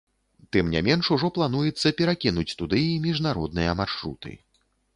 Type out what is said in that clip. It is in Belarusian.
Тым не менш, ужо плануецца перакінуць туды і міжнародныя маршруты.